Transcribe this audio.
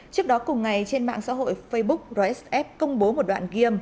trước đó cùng ngày trên mạng xã hội facebook rsf công bố một đoạn game